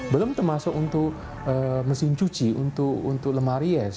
belum termasuk untuk mesin cuci untuk lemari es